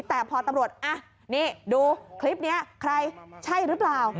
แต่พอตำรวจนี่ดูคลิปนี้ใครใช่หรือเปล่า